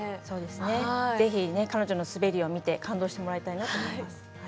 そうですね是非彼女の滑りを見て感動してもらいたいなと思います。